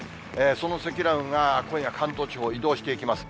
その積乱雲が今夜、関東地方を移動していきます。